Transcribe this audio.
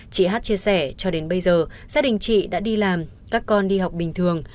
chị hát chia sẻ cho đến bây giờ gia đình chị đã đi làm các con đi học bình thường